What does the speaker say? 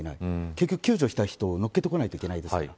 結局、救助した人を乗っけてこないといけないですから。